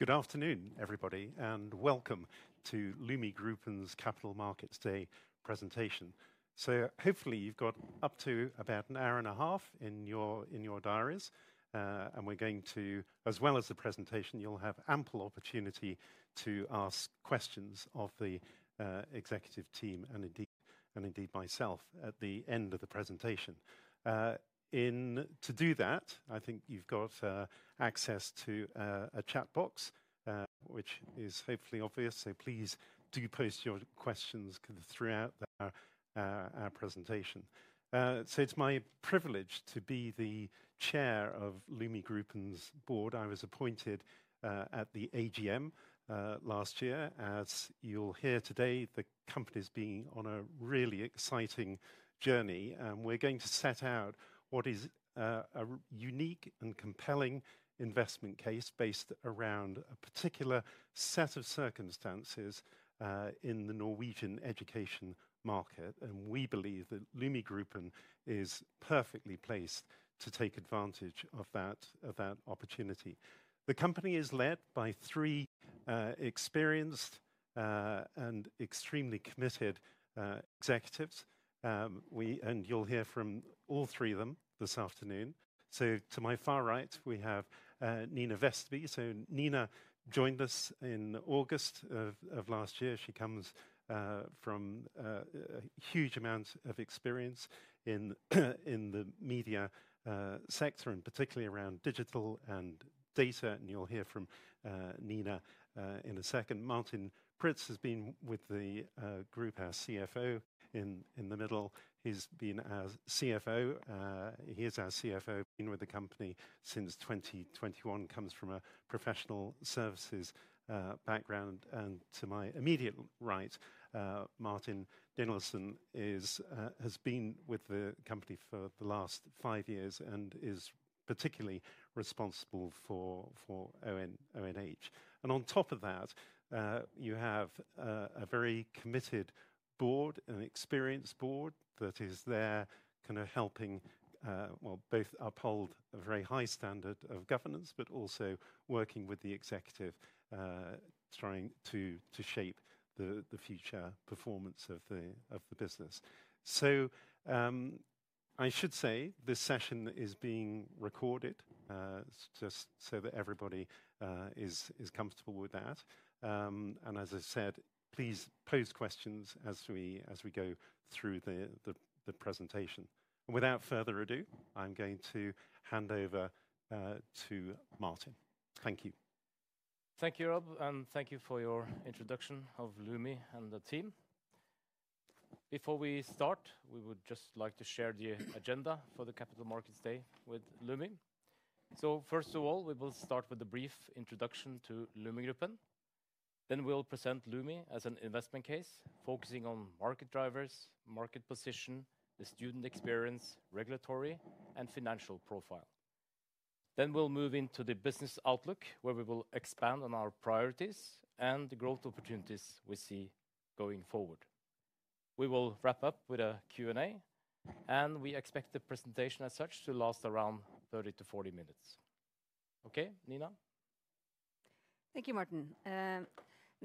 Good afternoon, everybody, and welcome to Lumi Gruppen's Capital Markets Day presentation. Hopefully you've got up to about an hour and a half in your diaries, and we're going to, as well as the presentation, you'll have ample opportunity to ask questions of the executive team and indeed myself at the end of the presentation. To do that, I think you've got access to a chat box, which is hopefully obvious, so please do post your questions throughout our presentation. It's my privilege to be the Chair of Lumi Gruppen's board. I was appointed at the AGM last year. As you'll hear today, the company's been on a really exciting journey, and we're going to set out what is a unique and compelling investment case based around a particular set of circumstances in the Norwegian education market. We believe that Lumi Gruppen is perfectly placed to take advantage of that opportunity. The company is led by three experienced and extremely committed executives, and you'll hear from all three of them this afternoon. To my far right, we have Nina Vesterby. Nina joined us in August of last year. She comes from a huge amount of experience in the media sector, and particularly around digital and data. You'll hear from Nina in a second. Martin Prytz has been with the group as CFO. In the middle, he's been our CFO. He is our CFO, been with the company since 2021, comes from a professional services background. To my immediate right, Morten Danielsen has been with the company for the last five years and is particularly responsible for ONH. On top of that, you have a very committed board, an experienced board that is there kind of helping, both uphold a very high standard of governance, but also working with the executive, trying to shape the future performance of the business. I should say this session is being recorded just so that everybody is comfortable with that. As I said, please pose questions as we go through the presentation. Without further ado, I'm going to hand over to Martin. Thank you. Thank you, Rob, and thank you for your introduction of Lumi and the team. Before we start, we would just like to share the agenda for the Capital Markets Day with Lumi. First of all, we will start with a brief introduction to Lumi Gruppen. Then we'll present Lumi as an investment case focusing on market drivers, market position, the student experience, regulatory, and financial profile. Then we'll move into the business outlook, where we will expand on our priorities and the growth opportunities we see going forward. We will wrap up with a Q&A, and we expect the presentation as such to last around 30 to 40 minutes. Okay, Nina? Thank you, Martin.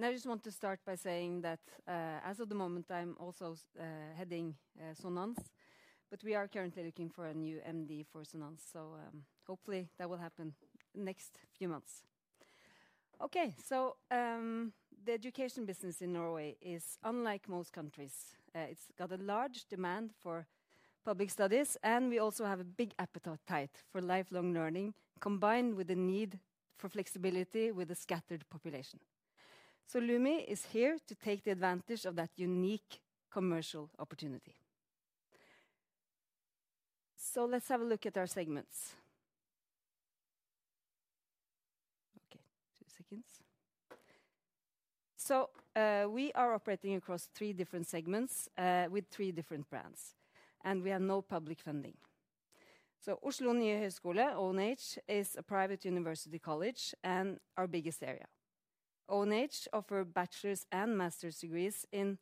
I just want to start by saying that as of the moment, I'm also heading Sonans, but we are currently looking for a new MD for Sonans, so hopefully that will happen in the next few months. The education business in Norway is unlike most countries. It's got a large demand for public studies, and we also have a big appetite for lifelong learning, combined with the need for flexibility with a scattered population. Lumi is here to take advantage of that unique commercial opportunity. Let's have a look at our segments. We are operating across three different segments with three different brands, and we have no public funding. Oslo Nye Høyskole (ONH) is a private university college and our biggest area. ONH offers bachelor's and master's degrees in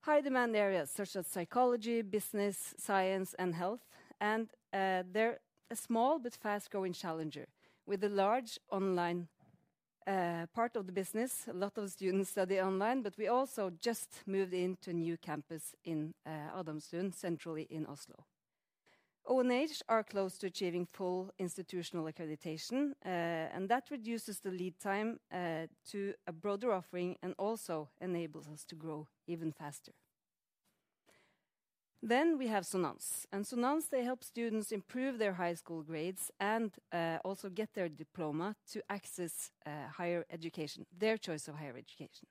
high-demand areas such as psychology, business, science, and health, and they're a small but fast-growing challenger with a large online part of the business. A lot of students study online, but we also just moved into a new campus in Adamstuen, centrally in Oslo. ONH are close to achieving full institutional accreditation, and that reduces the lead time to a broader offering and also enables us to grow even faster. We have Sonans, and Sonans help students improve their high school grades and also get their diploma to access higher education, their choice of higher education.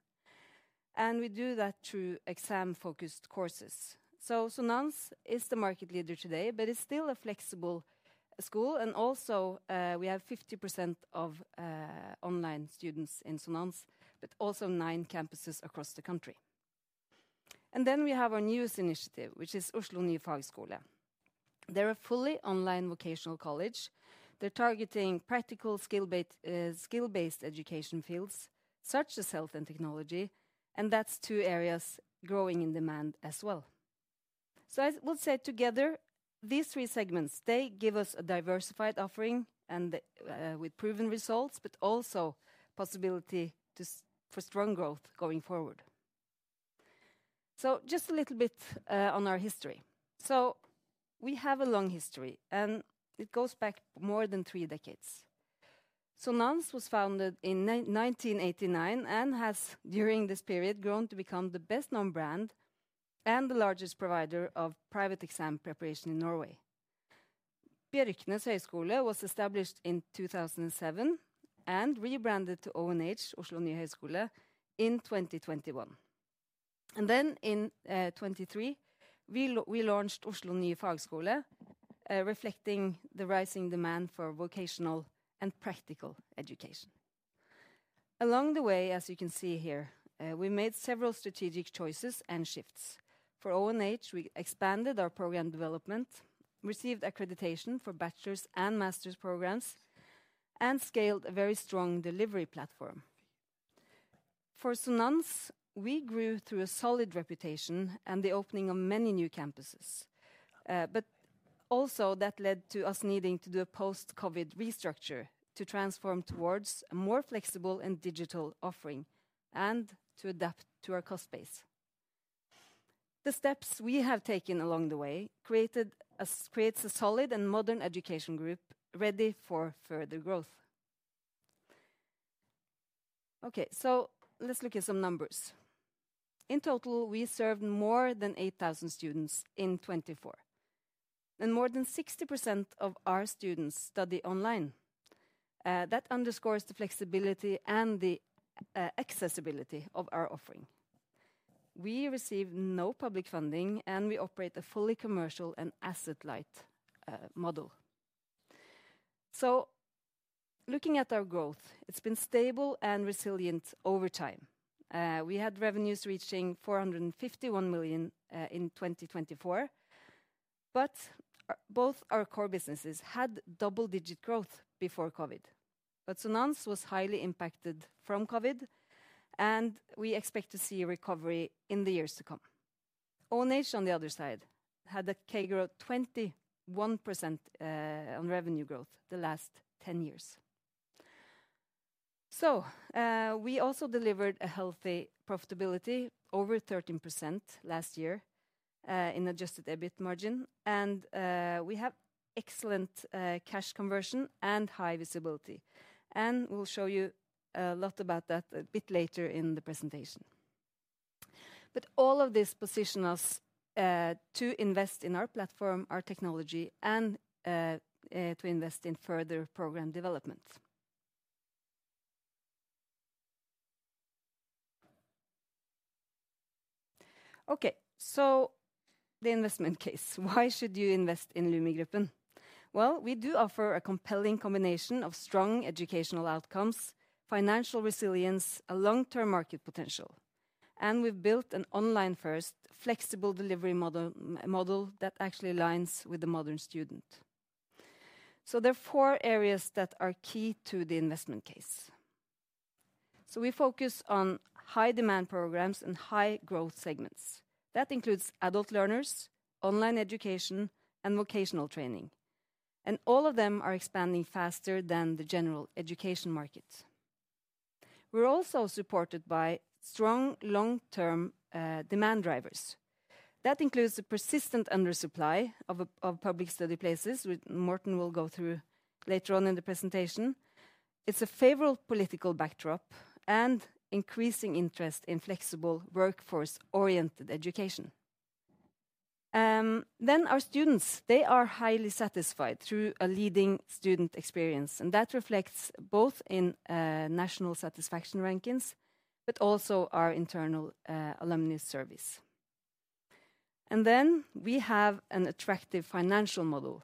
We do that through exam-focused courses. Sonans is the market leader today, but it's still a flexible school, and also we have 50% of online students in Sonans, but also nine campuses across the country. We have our newest initiative, which is Oslo Nye Fagskole. They're a fully online vocational college. They're targeting practical skill-based education fields such as health and technology, and that's two areas growing in demand as well. I would say together, these three segments, they give us a diversified offering with proven results, but also possibility for strong growth going forward. Just a little bit on our history. We have a long history, and it goes back more than three decades. Sonans was founded in 1989 and has, during this period, grown to become the best-known brand and the largest provider of private exam preparation in Norway. Bjørknes Høyskole was established in 2007 and rebranded to ONH Oslo Nye Høyskole in 2021. In 2023, we launched Oslo Nye Fagskole, reflecting the rising demand for vocational and practical education. Along the way, as you can see here, we made several strategic choices and shifts. For ONH, we expanded our program development, received accreditation for bachelor's and master's programs, and scaled a very strong delivery platform. For Sonans, we grew through a solid reputation and the opening of many new campuses. But also that led to us needing to do a post-COVID restructure to transform towards a more flexible and digital offering and to adapt to our cost base. The steps we have taken along the way creates a solid and modern education group ready for further growth. Let's look at some numbers. In total, we served more than 8,000 students in 2024, and more than 60% of our students study online. That underscores the flexibility and the accessibility of our offering. We receive no public funding, and we operate a fully commercial and asset-light model. Looking at our growth, it's been stable and resilient over time. We had revenues reaching $451 million in 2024, but both our core businesses had double-digit growth before COVID. Sonans was highly impacted from COVID, and we expect to see a recovery in the years to come. ONH, on the other side, had a 21% revenue growth the last 10 years. We also delivered a healthy profitability of over 13% last year in adjusted EBIT margin, and we have excellent cash conversion and high visibility. We'll show you a lot about that a bit later in the presentation. All of this positions us to invest in our platform, our technology, and to invest in further program development. The investment case. Why should you invest in Lumi Gruppen? We do offer a compelling combination of strong educational outcomes, financial resilience, and long-term market potential. We've built an online-first, flexible delivery model that actually aligns with the modern student. There are four areas that are key to the investment case. We focus on high-demand programs and high-growth segments. That includes adult learners, online education, and vocational training. All of them are expanding faster than the general education market. We're also supported by strong long-term demand drivers. That includes a persistent undersupply of public study places, which Martin will go through later on in the presentation. It's a favorable political backdrop and increasing interest in flexible workforce-oriented education. Our students are highly satisfied through a leading student experience, and that reflects both in national satisfaction rankings, but also our internal alumni service. We have an attractive financial model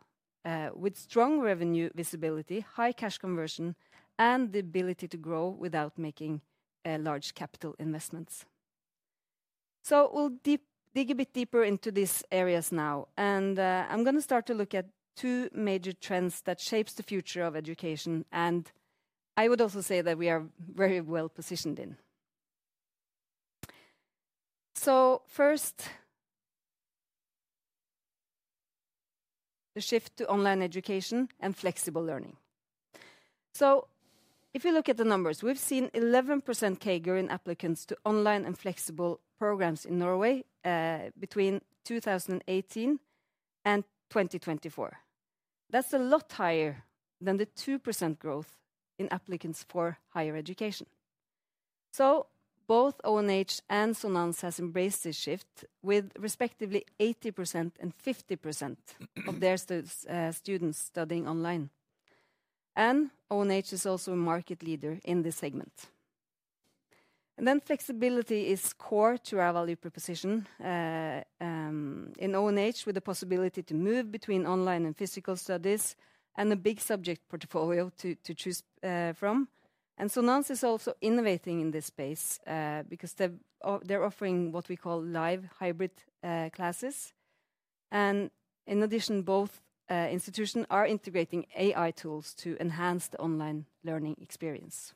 with strong revenue visibility, high cash conversion, and the ability to grow without making large capital investments. We'll dig a bit deeper into these areas now, and I'm going to start to look at two major trends that shape the future of education, and I would also say that we are very well positioned in. First, the shift to online education and flexible learning. If you look at the numbers, we've seen 11% CAGR in applicants to online and flexible programs in Norway between 2018 and 2024. That's a lot higher than the 2% growth in applicants for higher education. Both ONH and Sonans has embraced this shift with respectively 80% and 50% of their students studying online. ONH is also a market leader in this segment. Flexibility is core to our value proposition in ONH with the possibility to move between online and physical studies and a big subject portfolio to choose from. Sonans is also innovating in this space because they're offering what we call live hybrid classes. In addition, both institutions are integrating AI tools to enhance the online learning experience.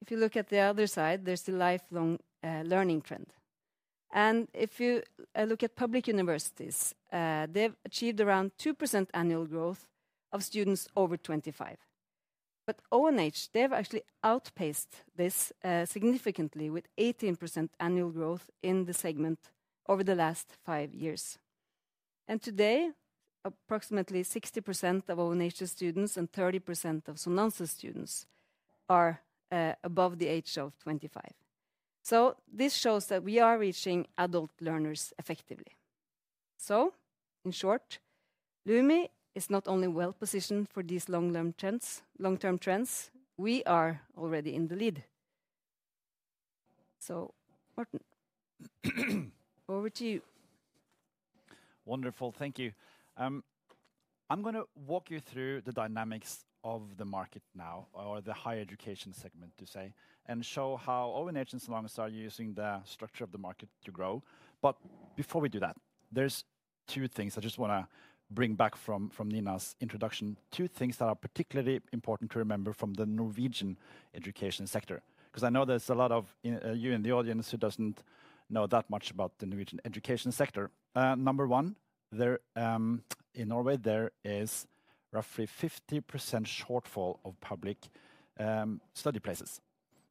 If you look at the other side, there's the lifelong learning trend. If you look at public universities, they've achieved around 2% annual growth of students over 25. But ONH, they've actually outpaced this significantly with 18% annual growth in the segment over the last five years. Today, approximately 60% of ONH students and 30% of Sonans students are above the age of 25. This shows that we are reaching adult learners effectively. In short, Lumi is not only well positioned for these long-term trends, we are already in the lead. Martin, over to you. Wonderful, thank you. I'm going to walk you through the dynamics of the market now, or the higher education segment, to say, and show how ONH and Sonans are using the structure of the market to grow. But before we do that, there's two things I just want to bring back from Nina's introduction. Two things that are particularly important to remember from the Norwegian education sector, because I know there's a lot of you in the audience who don't know that much about the Norwegian education sector. Number one, in Norway, there is roughly 50% shortfall of public study places.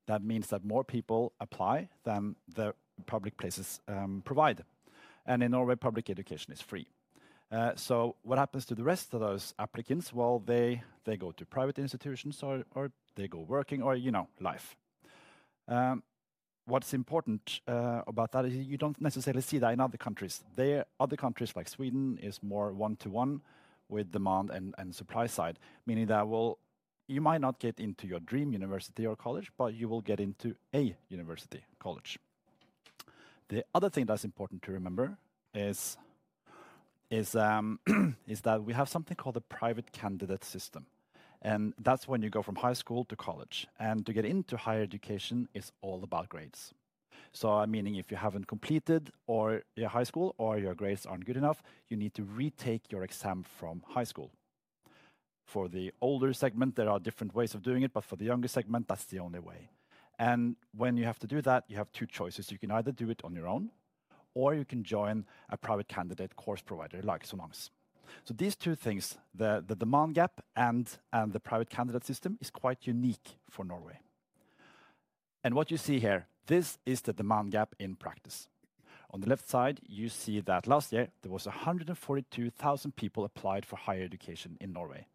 That means that more people apply than the public places provide. In Norway, public education is free. So what happens to the rest of those applicants? Well, they go to private institutions, or they go working, or life. What's important about that is you don't necessarily see that in other countries. Other countries like Sweden are more one-to-one with demand and supply side, meaning that you might not get into your dream university or college, but you will get into a university, college. The other thing that's important to remember is that we have something called the private candidate system. That's when you go from high school to college. To get into higher education is all about grades. So meaning if you haven't completed your high school or your grades aren't good enough, you need to retake your exam from high school. For the older segment, there are different ways of doing it, but for the younger segment, that's the only way. When you have to do that, you have two choices. You can either do it on your own, or you can join a private candidate course provider like Sonans. These two things, the demand gap and the private candidate system, are quite unique for Norway. What you see here, this is the demand gap in practice. On the left side, you see that last year there were 142,000 people who applied for higher education in Norway,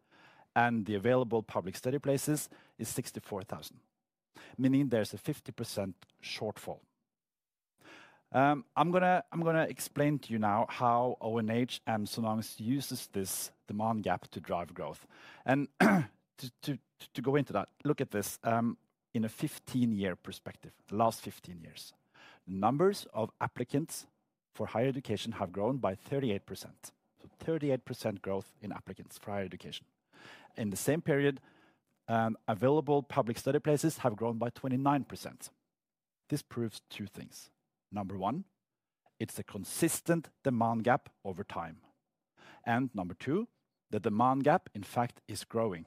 and the available public study places are 64,000, meaning there's a 50% shortfall. I'm going to explain to you now how ONH and Sonans use this demand gap to drive growth. To go into that, look at this in a 15-year perspective, the last 15 years. The numbers of applicants for higher education have grown by 38%. 38% growth in applicants for higher education. In the same period, available public study places have grown by 29%. This proves two things. Number one, it's a consistent demand gap over time. Number two, the demand gap, in fact, is growing.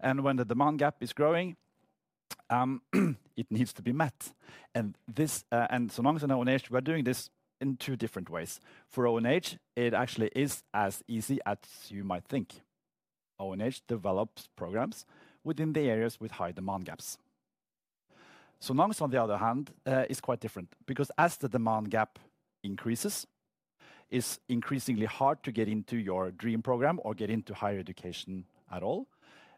When the demand gap is growing, it needs to be met. Sonans and ONH are doing this in two different ways. For ONH, it actually is as easy as you might think. ONH develops programs within the areas with high demand gaps. Sonans, on the other hand, is quite different because as the demand gap increases, it's increasingly hard to get into your dream program or get into higher education at all,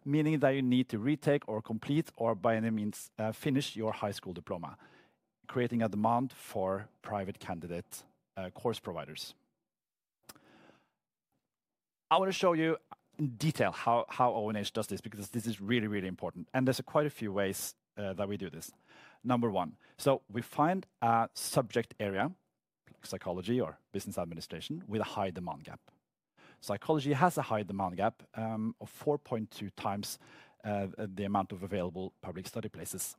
meaning that you need to retake or complete or, by any means, finish your high school diploma, creating a demand for private candidate course providers. I want to show you in detail how ONH does this because this is really, really important. There's quite a few ways that we do this. Number one, so we find a subject area, like psychology or business administration, with a high demand gap. Psychology has a high demand gap of 4.2 times the amount of available public study places.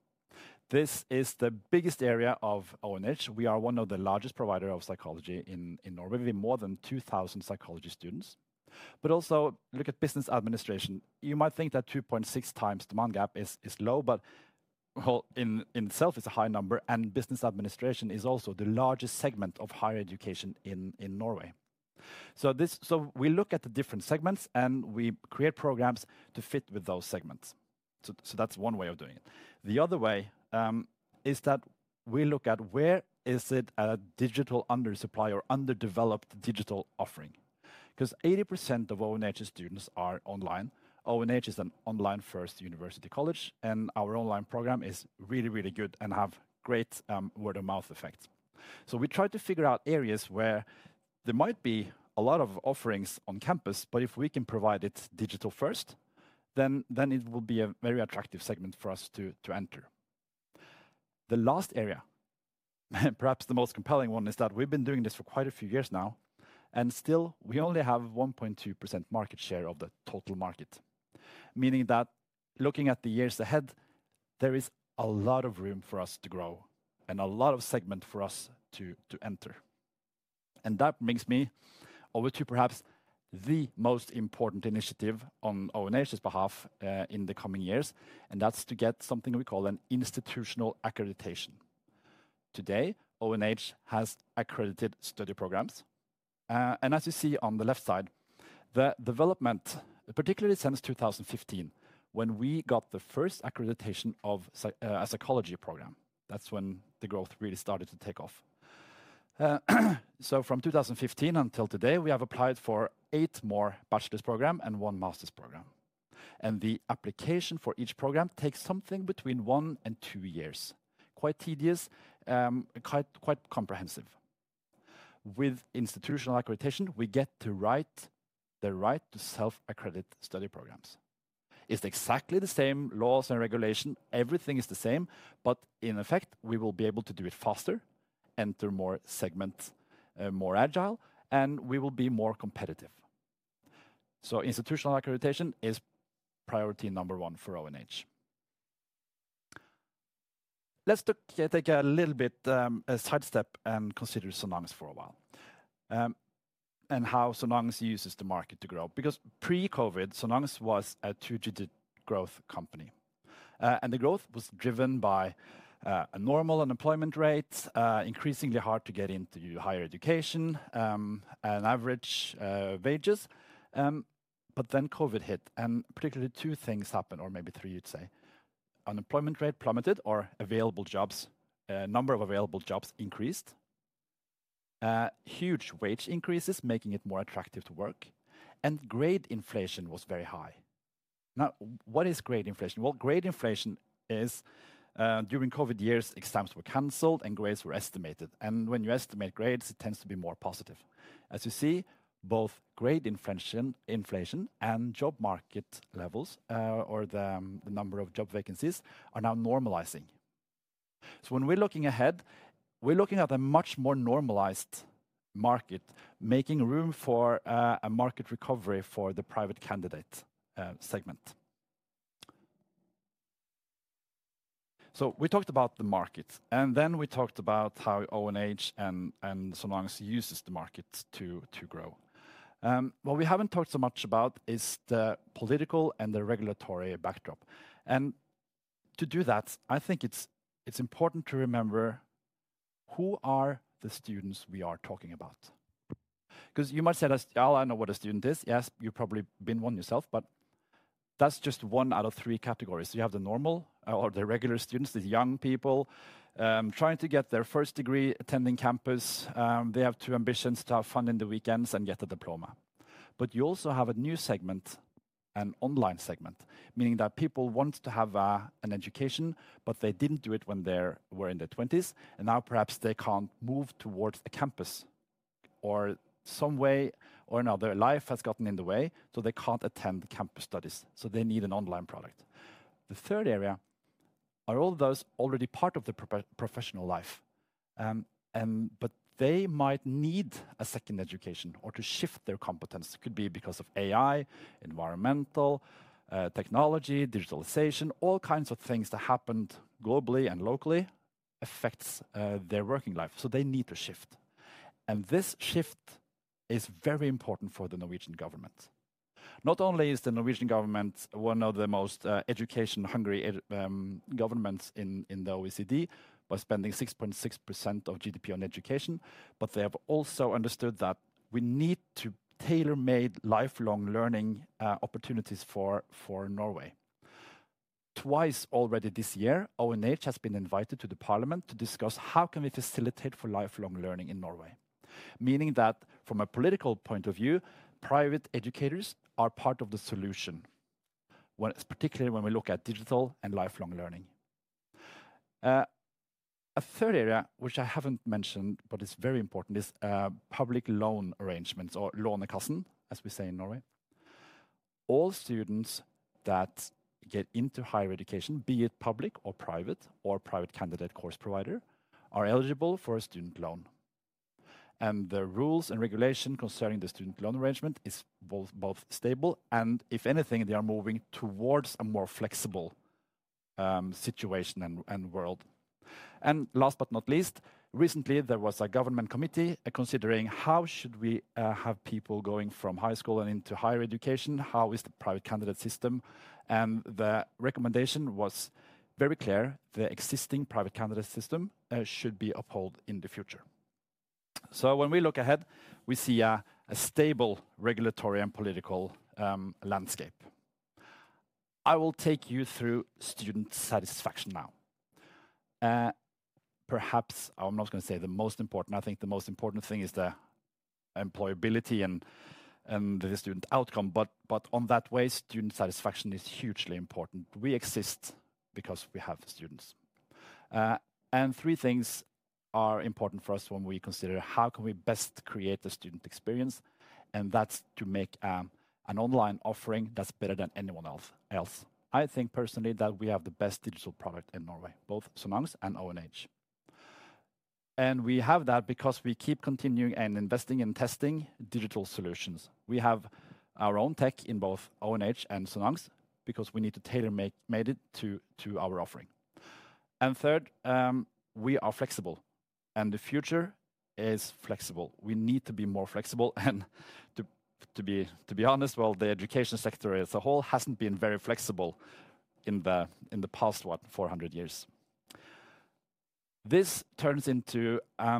This is the biggest area of ONH. We are one of the largest providers of psychology in Norway with more than 2,000 psychology students. But also look at business administration. You might think that 2.6 times demand gap is low, but in itself, it's a high number. Business administration is also the largest segment of higher education in Norway. We look at the different segments, and we create programs to fit with those segments. That's one way of doing it. The other way is that we look at where there is a digital undersupply or underdeveloped digital offering, because 80% of ONH students are online. ONH is an online-first university college, and our online program is really, really good and has great word-of-mouth effects. We try to figure out areas where there might be a lot of offerings on campus, but if we can provide it digital-first, then it will be a very attractive segment for us to enter. The last area, perhaps the most compelling one, is that we've been doing this for quite a few years now, and still we only have 1.2% market share of the total market, meaning that looking at the years ahead, there is a lot of room for us to grow and a lot of segment for us to enter. That brings me over to perhaps the most important initiative on ONH's behalf in the coming years, and that's to get something we call an institutional accreditation. Today, ONH has accredited study programs. As you see on the left side, the development, particularly since 2015, when we got the first accreditation of a psychology program, that's when the growth really started to take off. From 2015 until today, we have applied for eight more bachelor's programs and one master's program. The application for each program takes something between one and two years. Quite tedious, quite comprehensive. With institutional accreditation, we get to write the right to self-accredit study programs. It's exactly the same laws and regulation. Everything is the same, but in effect, we will be able to do it faster, enter more segments, more agile, and we will be more competitive. Institutional accreditation is priority number one for ONH. Let's take a little bit of a sidestep and consider Sonans for a while and how Sonans uses the market to grow. Because pre-COVID, Sonans was a two-digit growth company. The growth was driven by a normal unemployment rate, increasingly hard to get into higher education, and average wages. But then COVID hit, and particularly two things happened, or maybe three, you'd say. The unemployment rate plummeted, or number of available jobs increased. Huge wage increases, making it more attractive to work. Grade inflation was very high. Now, what is grade inflation? Well, grade inflation is during COVID years, exams were canceled and grades were estimated. When you estimate grades, it tends to be more positive. As you see, both grade inflation and job market levels, or the number of job vacancies, are now normalizing. When we're looking ahead, we're looking at a much more normalized market, making room for a market recovery for the private candidate segment. We talked about the market, and then we talked about how ONH and Sonans uses the market to grow. What we haven't talked so much about is the political and the regulatory backdrop. To do that, I think it's important to remember who are the students we are talking about. Because you might say, well, I know what a student is. Yes, you've probably been one yourself, but that's just one out of three categories. You have the normal or the regular students, these young people trying to get their first degree, attending campus. They have two ambitions: to have fun in the weekends and get a diploma. But you also have a new segment, an online segment, meaning that people want to have an education, but they didn't do it when they were in their 20s. Perhaps they can't move towards a campus or some way or another. Life has gotten in the way, so they can't attend campus studies. So they need an online product. The third area are all those already part of their professional life. But they might need a second education or to shift their competence. It could be because of AI, environmental, technology, digitalization, all kinds of things that happened globally and locally affect their working life. So they need to shift. This shift is very important for the Norwegian government. Not only is the Norwegian government one of the most educational hungry governments in the OECD by spending 6.6% of GDP on education, but they have also understood that we need to tailor-make lifelong learning opportunities for Norway. Twice already this year, ONH has been invited to the Parliament to discuss how we can facilitate lifelong learning in Norway, meaning that from a political point of view, private educators are part of the solution, particularly when we look at digital and lifelong learning. A third area, which I haven't mentioned, but it's very important, is public loan arrangements or Lånekassen, as we say in Norway. All students that get into higher education, be it public or private or private candidate course provider, are eligible for a student loan. The rules and regulation concerning the student loan arrangement are both stable, and if anything, they are moving towards a more flexible situation and world. Last but not least, recently there was a government committee considering how we should have people going from high school and into higher education, how is the private candidate system. The recommendation was very clear: the existing private candidate system should be upheld in the future. When we look ahead, we see a stable regulatory and political landscape. I will take you through student satisfaction now. Perhaps I'm not going to say the most important. I think the most important thing is the employability and the student outcome. On that way, student satisfaction is hugely important. We exist because we have students. Three things are important for us when we consider how can we best create the student experience, and that's to make an online offering that's better than anyone else. I think personally that we have the best digital product in Norway, both Sonans and ONH. We have that because we keep continuing and investing in testing digital solutions. We have our own tech in both ONH and Sonans because we need to tailor-make it to our offering. Third, we are flexible, and the future is flexible. We need to be more flexible. To be honest, the education sector as a whole hasn't been very flexible in the past, what, 400 years. This turns into a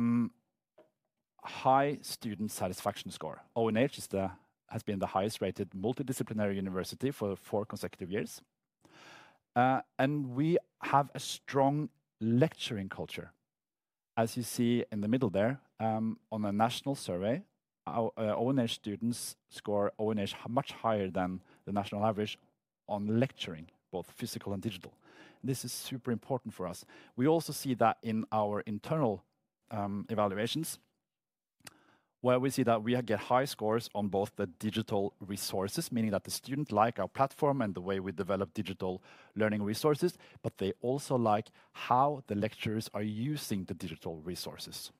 high student satisfaction score. ONH has been the highest-rated multidisciplinary university for four consecutive years. We have a strong lecturing culture. As you see in the middle there, on a national survey, ONH students score ONH much higher than the national average on lecturing, both physical and digital. This is super important for us. We also see that in our internal evaluations, where we see that we get high scores on both the digital resources, meaning that the students like our platform and the way we develop digital learning resources, but they also like how the lecturers are using the digital resources.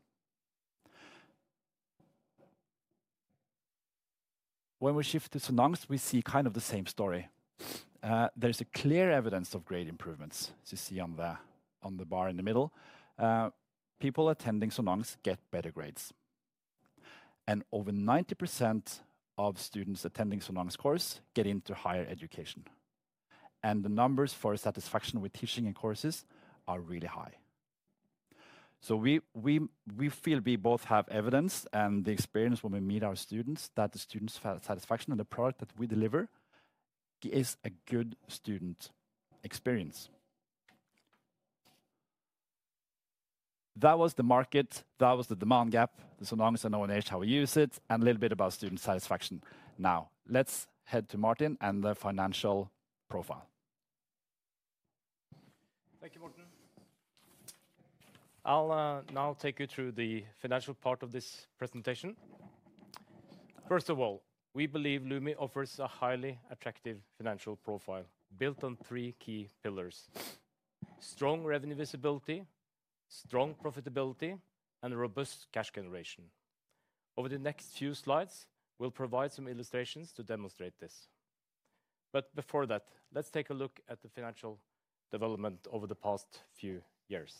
When we shift to Sonans, we see kind of the same story. There's clear evidence of grade improvements, as you see on the bar in the middle. People attending Sonans get better grades. Over 90% of students attending Sonans' course get into higher education. The numbers for satisfaction with teaching and courses are really high. We feel we both have evidence and the experience when we meet our students that the student satisfaction and the product that we deliver is a good student experience. That was the market. That was the demand gap. Sonans and ONH, how we use it, and a little bit about student satisfaction. Now, let's head to Martin and the financial profile. Thank you, Morten. I'll now take you through the financial part of this presentation. First of all, we believe Lumi offers a highly attractive financial profile built on three key pillars: strong revenue visibility, strong profitability, and robust cash generation. Over the next few slides, we'll provide some illustrations to demonstrate this. Before that, let's take a look at the financial development over the past few years.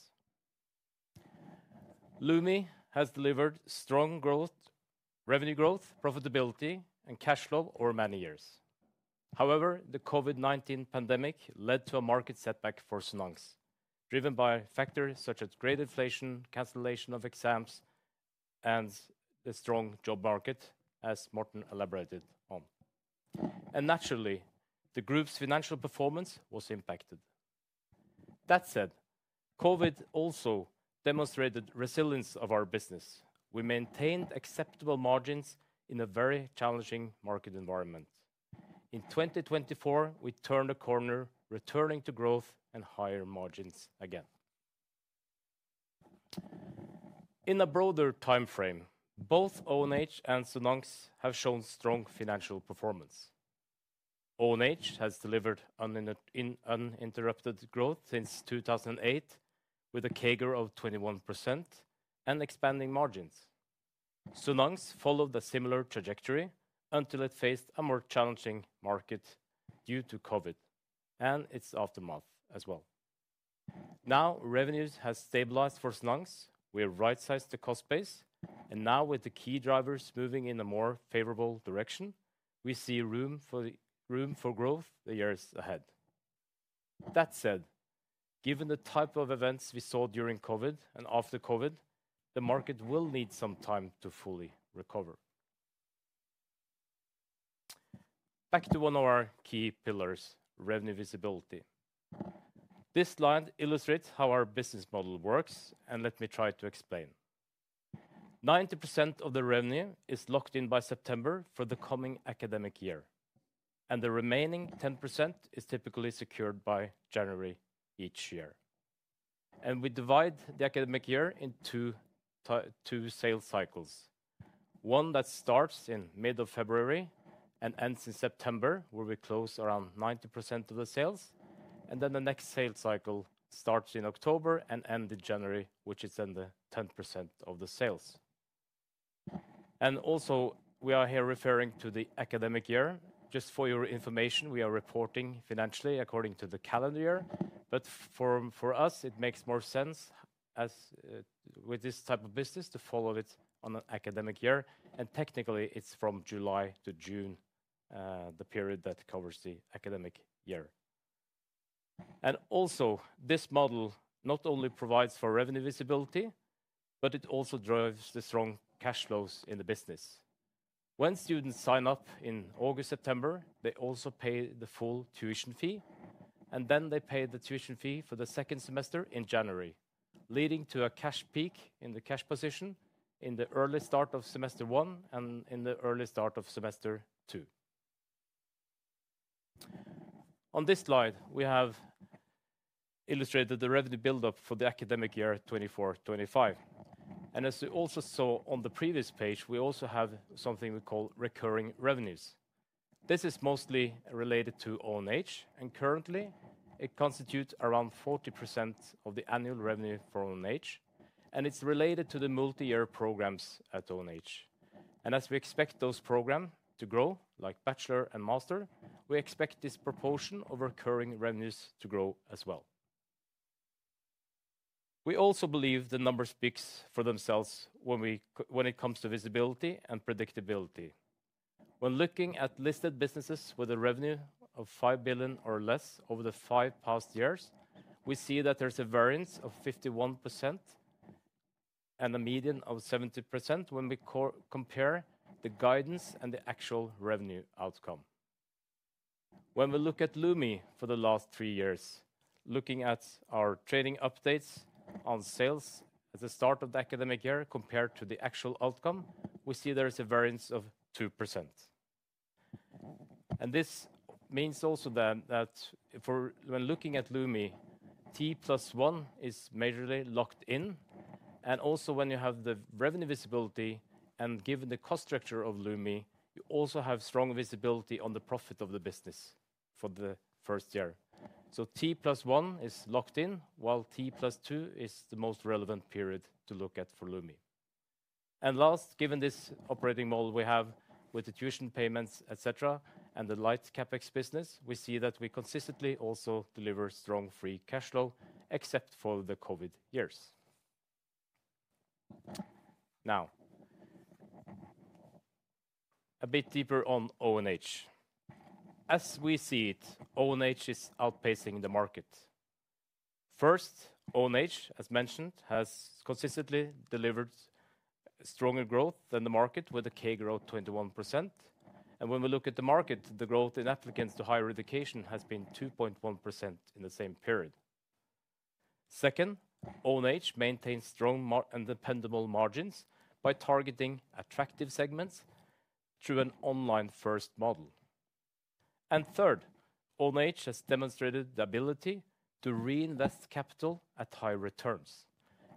Lumi has delivered strong growth, revenue growth, profitability, and cash flow over many years. However, the COVID-19 pandemic led to a market setback for Sonans, driven by factors such as great inflation, cancellation of exams, and the strong job market, as Martin elaborated on. Naturally, the group's financial performance was impacted. That said, COVID also demonstrated the resilience of our business. We maintained acceptable margins in a very challenging market environment. In 2024, we turned a corner, returning to growth and higher margins again. In a broader time frame, both ONH and Sonans have shown strong financial performance. ONH has delivered uninterrupted growth since 2008, with a CAGR of 21% and expanding margins. Sonans followed a similar trajectory until it faced a more challenging market due to COVID and its aftermath as well. Now, revenues have stabilized for Sonans. We have right-sized the cost base. Now, with the key drivers moving in a more favorable direction, we see room for growth in the years ahead. That said, given the type of events we saw during COVID and after COVID, the market will need some time to fully recover. Back to one of our key pillars, revenue visibility. This slide illustrates how our business model works, and let me try to explain. 90% of the revenue is locked in by September for the coming academic year, and the remaining 10% is typically secured by January each year. We divide the academic year into two sales cycles: one that starts in mid-February and ends in September, where we close around 90% of the sales. The next sales cycle starts in October and ends in January, which is then the 10% of the sales. We are here referring to the academic year. Just for your information, we are reporting financially according to the calendar year. But for us, it makes more sense with this type of business to follow it on an academic year. Technically, it's from July to June, the period that covers the academic year. This model not only provides for revenue visibility, but it also drives the strong cash flows in the business. When students sign up in August-September, they also pay the full tuition fee, and then they pay the tuition fee for the second semester in January, leading to a cash peak in the cash position in the early start of semester one and in the early start of semester two. On this slide, we have illustrated the revenue build-up for the academic year 2024-2025. As you also saw on the previous page, we also have something we call recurring revenues. This is mostly related to ONH, and currently, it constitutes around 40% of the annual revenue for ONH, and it's related to the multi-year programs at ONH. As we expect those programs to grow, like bachelor and master, we expect this proportion of recurring revenues to grow as well. We also believe the numbers speak for themselves when it comes to visibility and predictability. When looking at listed businesses with a revenue of $5 billion or less over the five past years, we see that there's a variance of 51% and a median of 70% when we compare the guidance and the actual revenue outcome. When we look at Lumi for the last three years, looking at our trading updates on sales at the start of the academic year compared to the actual outcome, we see there is a variance of 2%. This means also then that when looking at Lumi, T plus one is majorly locked in. Also, when you have the revenue visibility and given the cost structure of Lumi, you also have strong visibility on the profit of the business for the first year. So T plus one is locked in, while T plus two is the most relevant period to look at for Lumi. Last, given this operating model we have with the tuition payments, etc., and the light CapEx business, we see that we consistently also deliver strong free cash flow, except for the COVID years. Now, a bit deeper on ONH. As we see it, ONH is outpacing the market. First, ONH, as mentioned, has consistently delivered stronger growth than the market with a CAGR of 21%. When we look at the market, the growth in applicants to higher education has been 2.1% in the same period. Second, ONH maintains strong and dependable margins by targeting attractive segments through an online-first model. Third, ONH has demonstrated the ability to reinvest capital at high returns.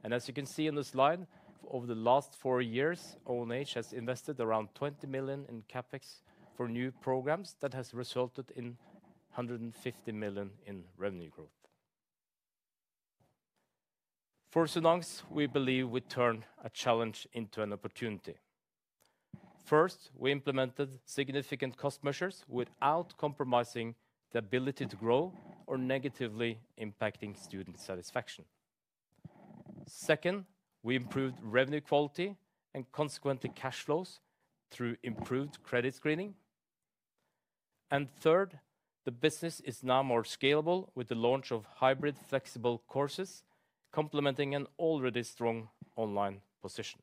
As you can see in this slide, over the last four years, ONH has invested around $20 million in CapEx for new programs that has resulted in $150 million in revenue growth. For Sonans, we believe we turn a challenge into an opportunity. First, we implemented significant cost measures without compromising the ability to grow or negatively impacting student satisfaction. Second, we improved revenue quality and consequently cash flows through improved credit screening. Third, the business is now more scalable with the launch of hybrid flexible courses complementing an already strong online position.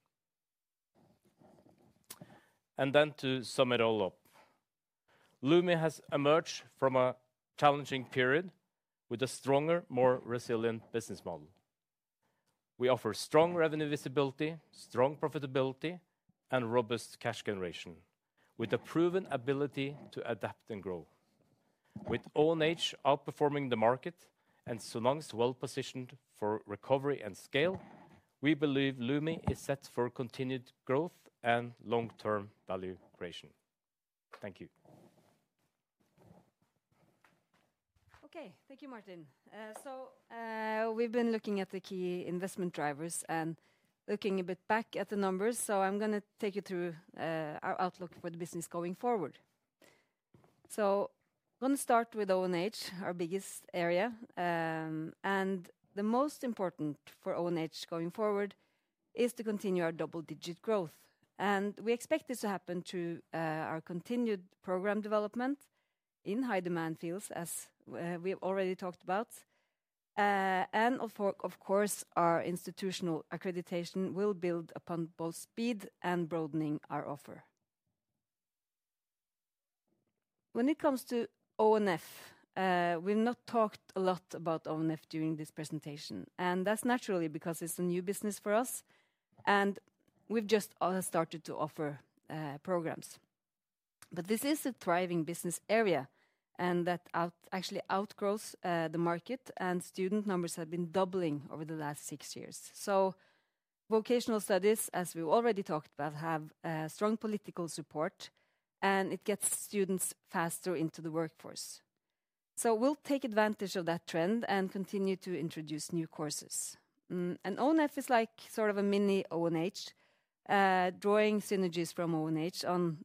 To sum it all up, Lumi has emerged from a challenging period with a stronger, more resilient business model. We offer strong revenue visibility, strong profitability, and robust cash generation with a proven ability to adapt and grow. With ONH outperforming the market and Sonans well-positioned for recovery and scale, we believe Lumi is set for continued growth and long-term value creation. Thank you. Okay, thank you, Martin. We've been looking at the key investment drivers and looking a bit back at the numbers. I'm going to take you through our outlook for the business going forward. I'm going to start with ONH, our biggest area. The most important for ONH going forward is to continue our double-digit growth. We expect this to happen through our continued program development in high-demand fields, as we have already talked about. Of course, our institutional accreditation will build upon both speed and broadening our offer. When it comes to ONF, we've not talked a lot about ONF during this presentation. That's naturally because it's a new business for us. We've just started to offer programs. This is a thriving business area and that actually outgrows the market. Student numbers have been doubling over the last six years. Vocational studies, as we've already talked about, have strong political support, and it gets students faster into the workforce. We'll take advantage of that trend and continue to introduce new courses. ONF is like sort of a mini ONH, drawing synergies from ONH on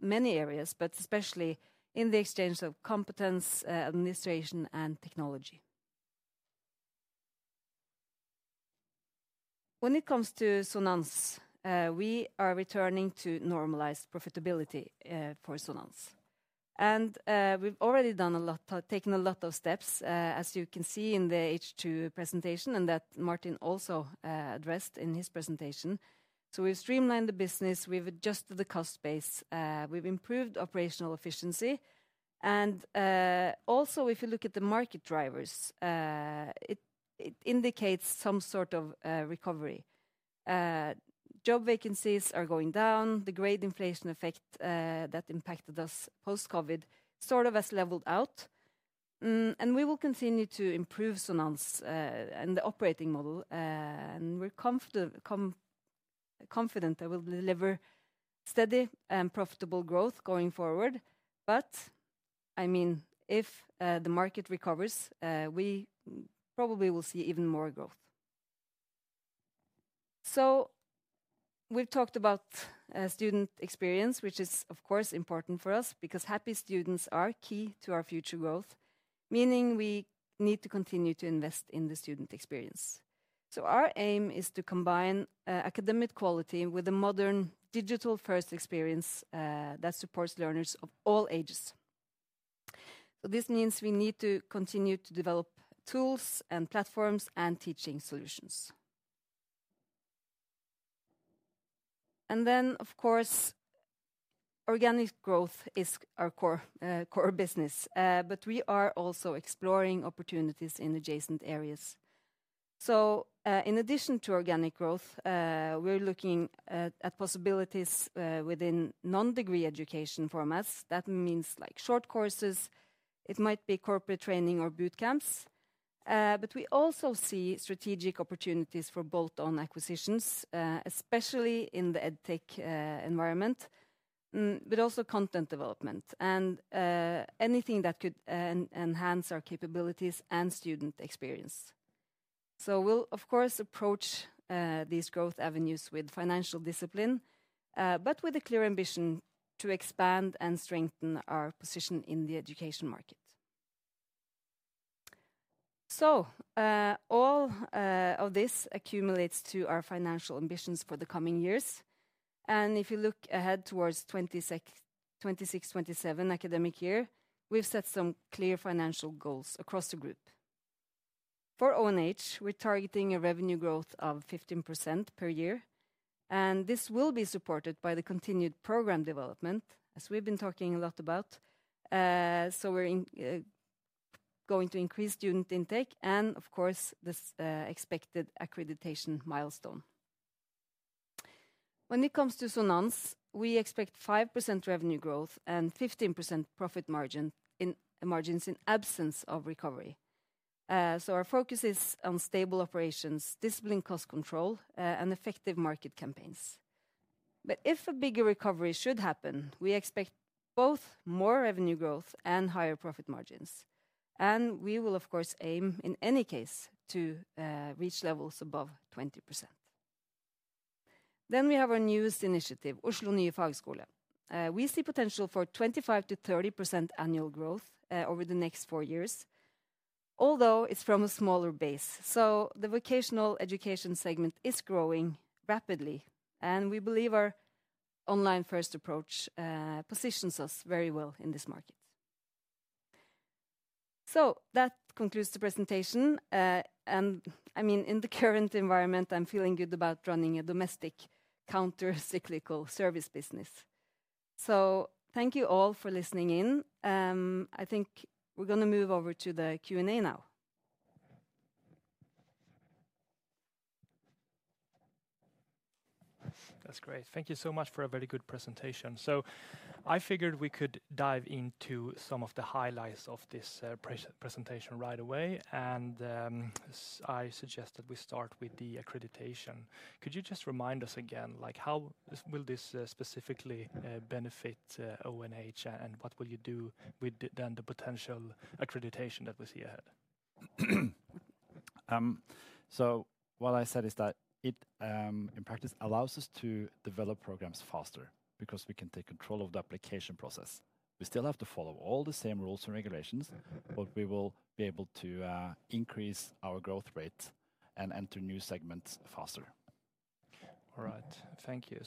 many areas, but especially in the exchange of competence, administration, and technology. When it comes to Sonans, we are returning to normalized profitability for Sonans. We've already done a lot, taken a lot of steps, as you can see in the H2 presentation and that Martin also addressed in his presentation. We've streamlined the business, we've adjusted the cost base, we've improved operational efficiency. Also, if you look at the market drivers, it indicates some sort of recovery. Job vacancies are going down. The great inflation effect that impacted us post-COVID sort of has leveled out. We will continue to improve Sonans and the operating model. We're confident that we'll deliver steady and profitable growth going forward. If the market recovers, we probably will see even more growth. We've talked about student experience, which is, of course, important for us because happy students are key to our future growth, meaning we need to continue to invest in the student experience. Our aim is to combine academic quality with a modern digital-first experience that supports learners of all ages. This means we need to continue to develop tools and platforms and teaching solutions. And then, of course, organic growth is our core business, but we are also exploring opportunities in adjacent areas. In addition to organic growth, we're looking at possibilities within non-degree education formats. That means like short courses. It might be corporate training or bootcamps. But we also see strategic opportunities for bolt-on acquisitions, especially in the edtech environment, but also content development and anything that could enhance our capabilities and student experience. We'll, of course, approach these growth avenues with financial discipline, but with a clear ambition to expand and strengthen our position in the education market. All of this accumulates to our financial ambitions for the coming years. If you look ahead towards 2026-2027 academic year, we've set some clear financial goals across the group. For ONH, we're targeting a revenue growth of 15% per year. This will be supported by the continued program development, as we've been talking a lot about. We're going to increase student intake and, of course, the expected accreditation milestone. When it comes to Sonans, we expect 5% revenue growth and 15% profit margins in absence of recovery. Our focus is on stable operations, disciplined cost control, and effective market campaigns. But if a bigger recovery should happen, we expect both more revenue growth and higher profit margins. We will, of course, aim in any case to reach levels above 20%. We have our newest initiative, Oslo Nye Fagskole. We see potential for 25% to 30% annual growth over the next four years, although it's from a smaller base. The vocational education segment is growing rapidly, and we believe our online-first approach positions us very well in this market. That concludes the presentation. In the current environment, I'm feeling good about running a domestic countercyclical service business. Thank you all for listening in. I think we're going to move over to the Q&A now. That's great. Thank you so much for a very good presentation. I figured we could dive into some of the highlights of this presentation right away. I suggest that we start with the accreditation. Could you just remind us again, like how will this specifically benefit ONH, and what will you do with then the potential accreditation that we see ahead? What I said is that it, in practice, allows us to develop programs faster because we can take control of the application process. We still have to follow all the same rules and regulations, but we will be able to increase our growth rate and enter new segments faster. All right, thank you.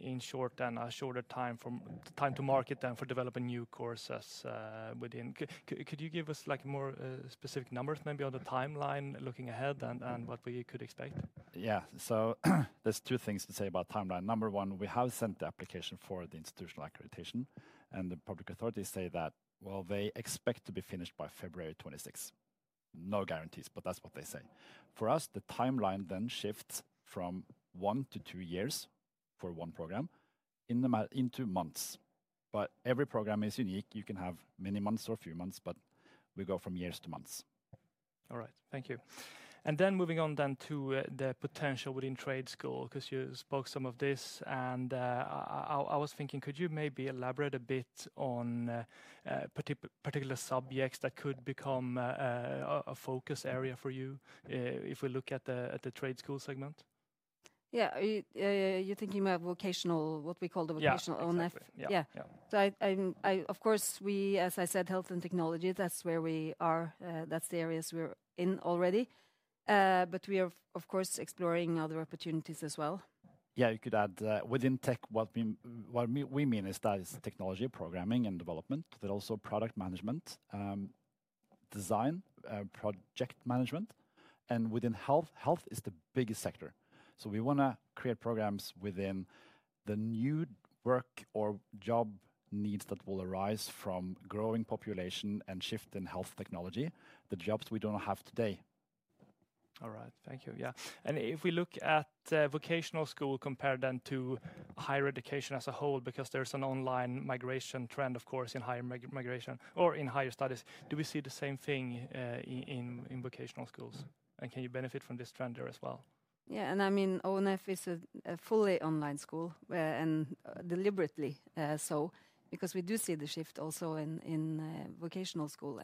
In short, then a shorter time to market then for developing new courses within. Could you give us like more specific numbers maybe on the timeline looking ahead and what we could expect? Yeah, there's two things to say about timeline. Number one, we have sent the application for the institutional accreditation, and the public authorities say that, well, they expect to be finished by February 26. No guarantees, but that's what they say. For us, the timeline then shifts from one to two years for one program into months. But every program is unique. You can have many months or a few months, but we go from years to months. All right, thank you. Moving on then to the potential within trade school, because you spoke some of this, and I was thinking, could you maybe elaborate a bit on particular subjects that could become a focus area for you if we look at the trade school segment? Yeah, you're thinking about vocational, what we call the vocational ONF? Yeah. Of course, we, as I said, health and technology, that's where we are. That's the areas we're in already. We are, of course, exploring other opportunities as well. Yeah, you could add within tech, what we mean is that it's technology programming and development, but also product management, design, project management. Within health, health is the biggest sector. We want to create programs within the new work or job needs that will arise from growing population and shift in health technology, the jobs we don't have today. All right, thank you. If we look at vocational school compared then to higher education as a whole, because there's an online migration trend, of course, in higher migration or in higher studies, do we see the same thing in vocational schools? Can you benefit from this trend there as well? ONF is a fully online school, and deliberately so, because we do see the shift also in vocational school.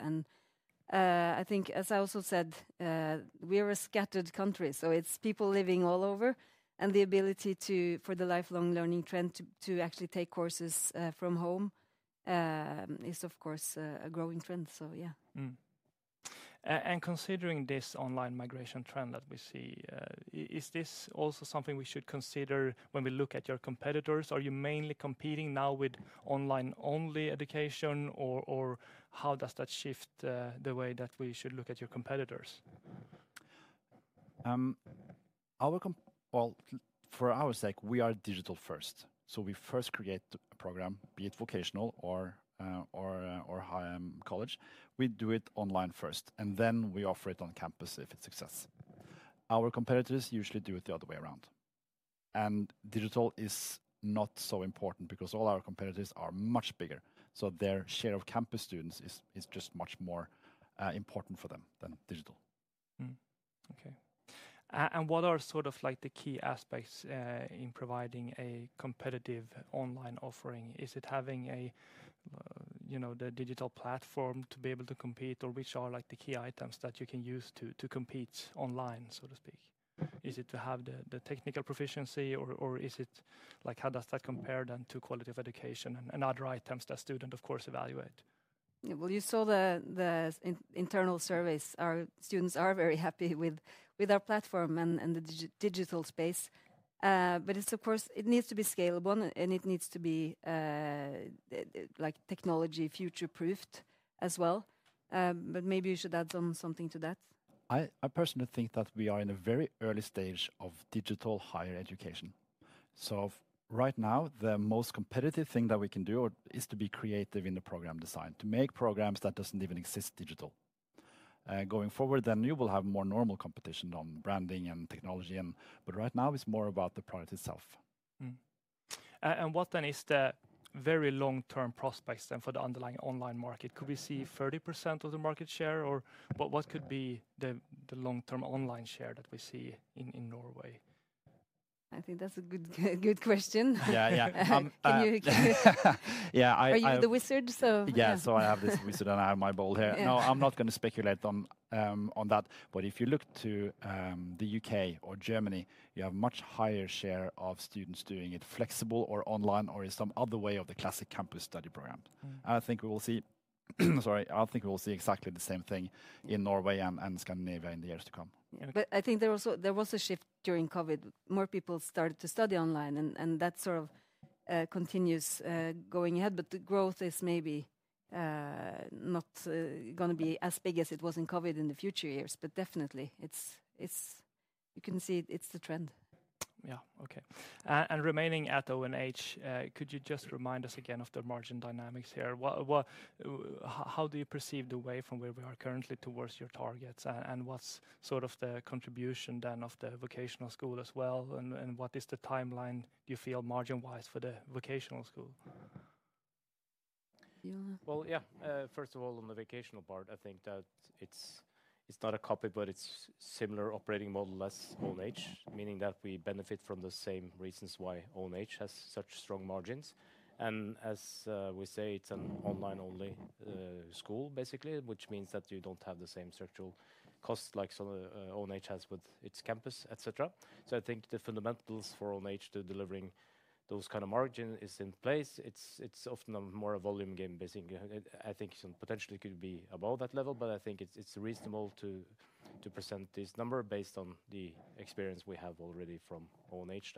As I also said, we are a scattered country, so it's people living all over, and the ability for the lifelong learning trend to actually take courses from home is, of course, a growing trend. Considering this online migration trend that we see, is this also something we should consider when we look at your competitors? Are you mainly competing now with online-only education, or how does that shift the way that we should look at your competitors? For our sake, we are digital-first. So we first create a program, be it vocational or high college. We do it online first, and then we offer it on campus if it's successful. Our competitors usually do it the other way around. Digital is not so important because all our competitors are much bigger. So their share of campus students is just much more important for them than digital. What are sort of the key aspects in providing a competitive online offering? Is it having the digital platform to be able to compete, or which are like the key items that you can use to compete online, so to speak? Is it to have the technical proficiency, or is it like, how does that compare then to quality of education and other items that students, of course, evaluate? Well, you saw the internal surveys. Our students are very happy with our platform and the digital space. But it's, of course, it needs to be scalable, and it needs to be like technology future-proofed as well. But maybe you should add something to that. I personally think that we are in a very early stage of digital higher education. So right now, the most competitive thing that we can do is to be creative in the program design, to make programs that don't even exist digital. Going forward, you will have more normal competition on branding and technology, but right now it's more about the product itself. What are the very long-term prospects for the underlying online market? Could we see 30% of the market share, or what could be the long-term online share that we see in Norway? I think that's a good question. Are you the wizard? I have this wizard, and I have my ball here. No, I'm not going to speculate on that. But if you look to the UK or Germany, you have a much higher share of students doing it flexible or online or in some other way of the classic campus study program. I think we will see exactly the same thing in Norway and Scandinavia in the years to come. I think there was a shift during COVID. More people started to study online, and that sort of continues going ahead. The growth is maybe not going to be as big as it was in COVID in the future years, but definitely, you can see it's the trend. And remaining at ONH, could you just remind us again of the margin dynamics here? How do you perceive the way from where we are currently towards your targets? What's sort of the contribution then of the vocational school as well? What is the timeline, do you feel, margin-wise for the vocational school? First of all, on the vocational part, I think that it's not a copy, but it's a similar operating model as ONH, meaning that we benefit from the same reasons why ONH has such strong margins. As we say, it's an online-only school, basically, which means that you don't have the same structural costs like ONH has with its campus, etc. So I think the fundamentals for ONH to delivering those kinds of margins are in place. It's often more a volume game, basically. I think it potentially could be above that level, but I think it's reasonable to present this number based on the experience we have already from ONH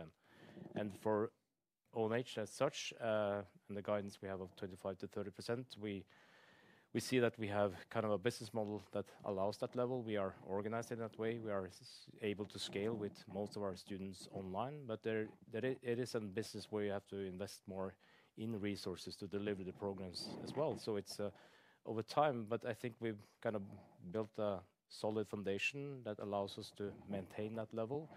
then. For ONH as such, and the guidance we have of 25% to 30%, we see that we have kind of a business model that allows that level. We are organized in that way. We are able to scale with most of our students online, but it is a business where you have to invest more in resources to deliver the programs as well. It's over time, but I think we've kind of built a solid foundation that allows us to maintain that level.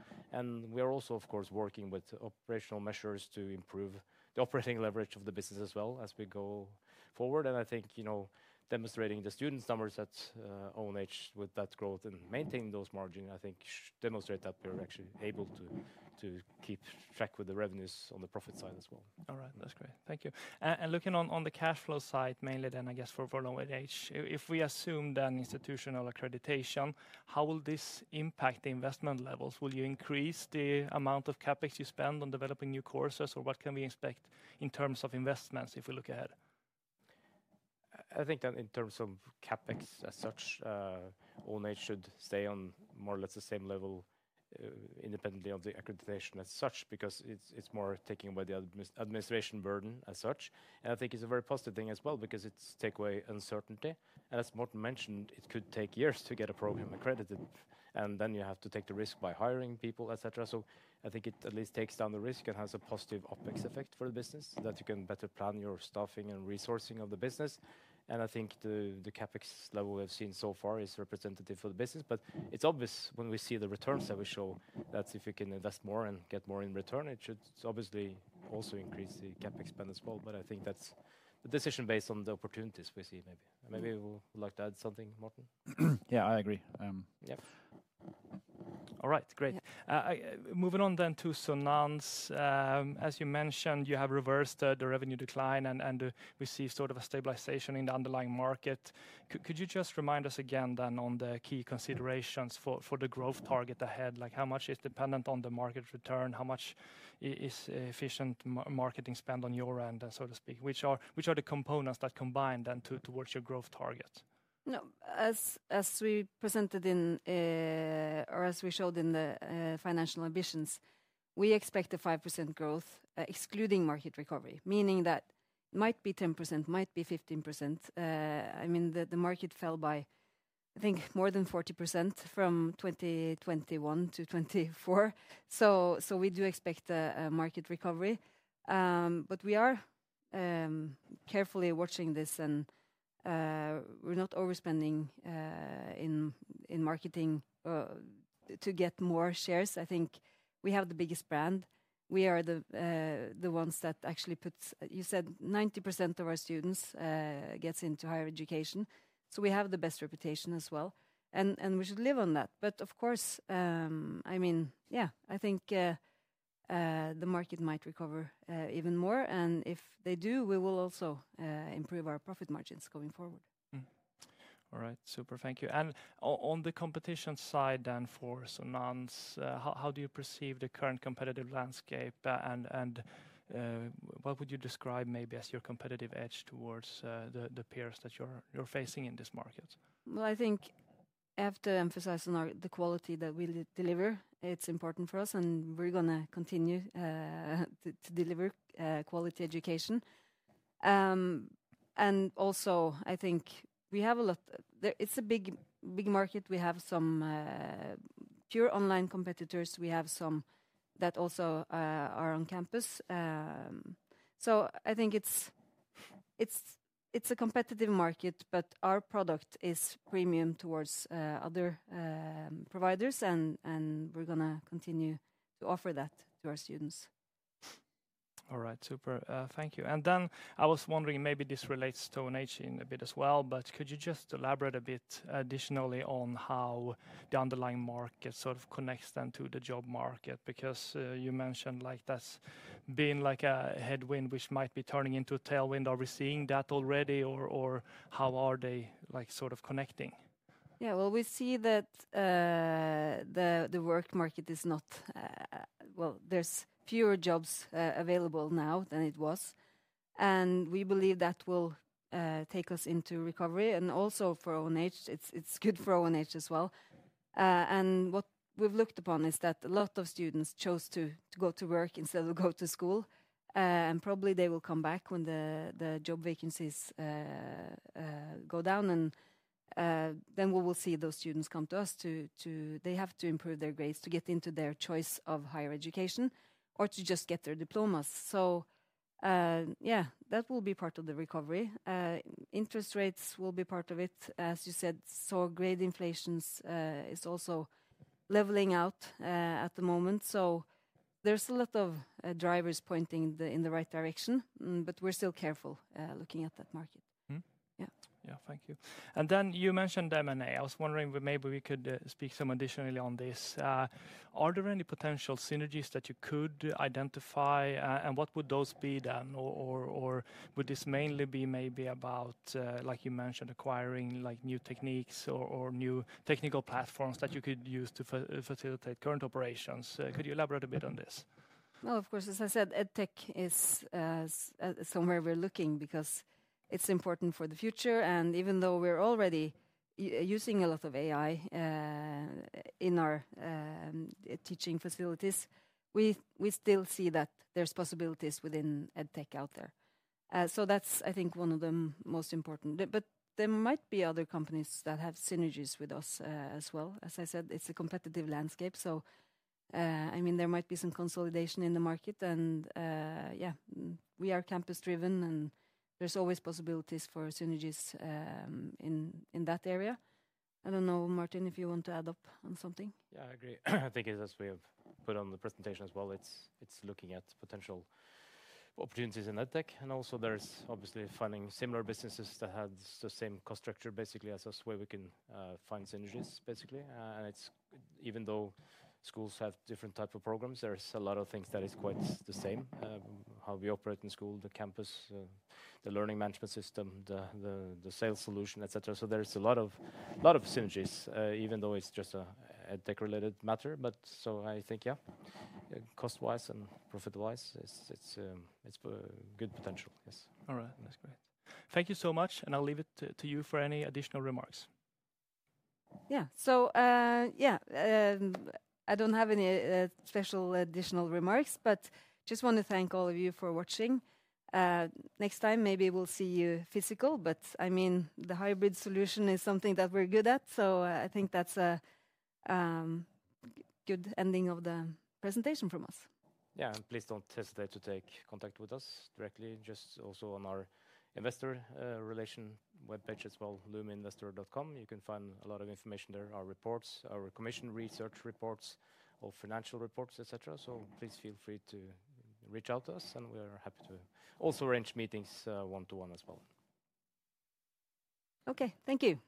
We are also, of course, working with operational measures to improve the operating leverage of the business as well as we go forward. I think demonstrating the student numbers at ONH with that growth and maintaining those margins, I think demonstrate that we're actually able to keep track with the revenues on the profit side as well. All right, that's great. Thank you. Looking on the cash flow side mainly then, I guess for ONH, if we assume then institutional accreditation, how will this impact the investment levels? Will you increase the amount of CapEx you spend on developing new courses, or what can we expect in terms of investments if we look ahead? I think that in terms of CapEx as such, ONH should stay on more or less the same level independently of the accreditation as such, because it's more taking away the administration burden as such. I think it's a very positive thing as well, because it's taking away uncertainty. As Morten mentioned, it could take years to get a program accredited, and then you have to take the risk by hiring people, etc. So I think it at least takes down the risk and has a positive OpEx effect for the business, that you can better plan your staffing and resourcing of the business. I think the CapEx level we've seen so far is representative for the business, but it's obvious when we see the returns that we show, that if you can invest more and get more in return, it should obviously also increase the CapEx spend as well. I think that's the decision based on the opportunities we see maybe. Maybe we would like to add something, Morten? Yeah, I agree. Yeah. All right, great. Moving on then to Sonans, as you mentioned, you have reversed the revenue decline and we see sort of a stabilization in the underlying market. Could you just remind us again then on the key considerations for the growth target ahead, like how much is dependent on the market return, how much is efficient marketing spend on your end, so to speak? Which are the components that combine then towards your growth target? As we presented in, or as we showed in the financial ambitions, we expect a 5% growth excluding market recovery, meaning that it might be 10%, might be 15%. The market fell by, I think, more than 40% from 2021 to 2024. So we do expect a market recovery, but we are carefully watching this and we're not overspending in marketing to get more shares. I think we have the biggest brand. We are the ones that actually put, you said, 90% of our students get into higher education. So we have the best reputation as well. We should live on that. Of course, the market might recover even more. If they do, we will also improve our profit margins going forward. All right, super. Thank you. On the competition side then for Sonans, how do you perceive the current competitive landscape and what would you describe maybe as your competitive edge towards the peers that you're facing in this market? I think I have to emphasize the quality that we deliver. It's important for us, and we're going to continue to deliver quality education. Also, I think we have a lot, it's a big market. We have some pure online competitors. We have some that also are on campus. I think it's a competitive market, but our product is premium towards other providers, and we're going to continue to offer that to our students. All right, super. Thank you. I was wondering, maybe this relates to ONH in a bit as well, but could you just elaborate a bit additionally on how the underlying market sort of connects then to the job market? Because you mentioned that's been like a headwind, which might be turning into a tailwind. Are we seeing that already, or how are they sort of connecting? Yeah, there's fewer jobs available now than there was. We believe that will take us into recovery. Also for ONH, it's good for ONH as well. What we've looked upon is that a lot of students chose to go to work instead of go to school. Probably they will come back when the job vacancies go down. Then we will see those students come to us to, they have to improve their grades to get into their choice of higher education or to just get their diplomas. That will be part of the recovery. Interest rates will be part of it, as you said. Grade inflation is also leveling out at the moment. There's a lot of drivers pointing in the right direction, but we're still careful looking at that market. Thank you. Then you mentioned M&A. I was wondering maybe we could speak some additionally on this. Are there any potential synergies that you could identify, and what would those be then? Would this mainly be maybe about, like you mentioned, acquiring new techniques or new technical platforms that you could use to facilitate current operations? Could you elaborate a bit on this? Of course, as I said, EdTech is somewhere we're looking because it's important for the future. Even though we're already using a lot of AI in our teaching facilities, we still see that there's possibilities within EdTech out there. So that's, I think, one of the most important. But there might be other companies that have synergies with us as well. As I said, it's a competitive landscape. I mean, there might be some consolidation in the market. We are campus-driven, and there's always possibilities for synergies in that area. I don't know, Martin, if you want to add something. I agree. I think as we have put on the presentation as well, it's looking at potential opportunities in EdTech. Also there's obviously finding similar businesses that have the same cost structure basically as us where we can find synergies basically. Even though schools have different types of programs, there's a lot of things that are quite the same. How we operate in school, the campus, the learning management system, the sales solution, etc. There's a lot of synergies, even though it's just an EdTech-related matter. I think, yeah, cost-wise and profit-wise, it's good potential. Yes. All right. That's great. Thank you so much. I'll leave it to you for any additional remarks. Yeah. I don't have any special additional remarks, but just want to thank all of you for watching. Next time, maybe we'll see you physical, but I mean, the hybrid solution is something that we're good at. I think that's a good ending of the presentation from us. Yeah, and please don't hesitate to take contact with us directly. Just also on our investor relation web page as well, LumiInvestor.com. You can find a lot of information there, our reports, our commissioned research reports, our financial reports, etc. Please feel free to reach out to us, and we're happy to also arrange meetings one-to-one as well. Thank you.